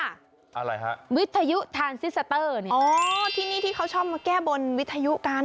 อะไรฮะวิทยุทานซิสเตอร์นี่อ๋อที่นี่ที่เขาชอบมาแก้บนวิทยุกัน